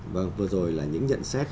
vâng vừa rồi là những nhận xét